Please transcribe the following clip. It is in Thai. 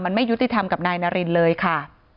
มันไม่ยุติธรรมกับนายนารินเลยค่ะ